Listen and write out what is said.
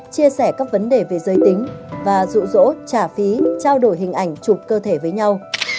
chia sẻ các vấn đề về giới tính và rụ rỗ trả phí trao đổi hình ảnh chụp cơ thể với nhau